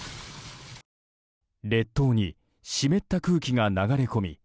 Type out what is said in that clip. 列島に湿った空気が流れ込み